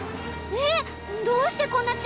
「えっ？